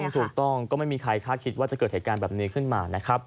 ถูกต้องก็ไม่มีใครคาดคิดว่าจะเกิดเหตุการณ์แบบนี้ขึ้นมานะครับ